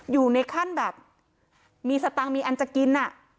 อยู่ในขั้นแบบมีสตังค์มีอันจะกิน